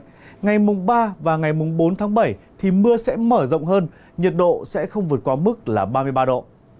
trong những ngày tới thì mưa sẽ mở rộng hơn nhiệt độ sẽ không vượt qua mức là ba mươi ba độ